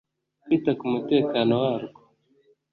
kwita ku mutekano warwo